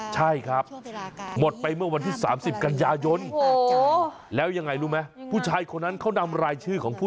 ใช่ครับหมดไปเมื่อวันที่๓๐กันยายน